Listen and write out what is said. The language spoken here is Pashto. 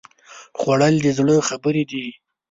خوړل د زړه خبرې دي